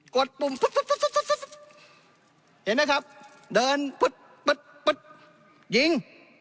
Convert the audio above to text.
กดปุ่มตุ๊ดเห็นนะครับเดินปุ๊ดยิง